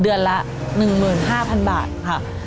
เดือนละ๑๕๐๐๐บาทค่ะ